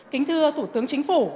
kính thưa thủ tướng chính phủ